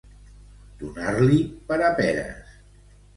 Donar-li per a peres.